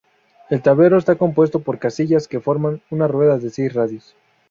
El tablero está compuesto por casillas que forman una rueda con seis radios.